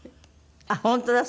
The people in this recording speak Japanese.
あっ本当だ！